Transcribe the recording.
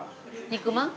肉まん？